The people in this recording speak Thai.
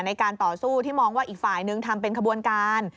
ในการต่อสู้ที่มองว่าอีกฝ่ายนึงทำเป็นขบวนการ